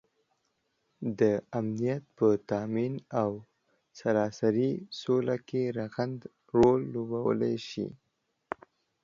دامنیت په تآمین او سراسري سوله کې رغنده رول لوبوالی شي